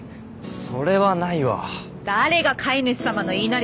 それはないわ誰が飼い主さまの言いなりだ